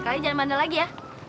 kalian jangan mandal lagi ya